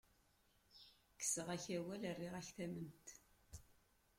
Kkseɣ-ak awal, rriɣ-ak tamment.